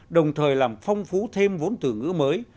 đồng thời làm phong phú thêm vốn từ ngữ mới